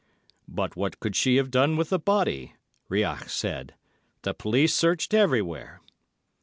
"But what could she have done with the body?" Rouillac said. "The police searched everywhere."